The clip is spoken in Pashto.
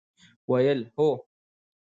ویل: هو!